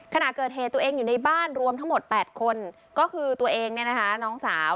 ขณะเกิดเหตุตัวเองอยู่ในบ้านรวมทั้งหมด๘คนก็คือตัวเองเนี่ยนะคะน้องสาว